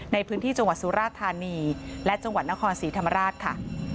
ในพื้นที่จังหวัดสุราธานีและจังหวัดนครศรีธรรมราชค่ะ